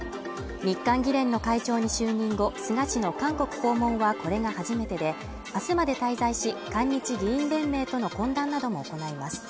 日韓議連の会長に就任後、菅氏の韓国訪問はこれが初めてで、明日まで滞在し、韓日議員連盟との懇談なども行います。